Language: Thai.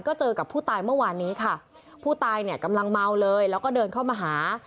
ก็เจอกับผู้ตายเมื่อวานนี้ค่ะผู้ตายเนี่ยกำลังเมาเลยแล้วก็เดินเข้ามาหา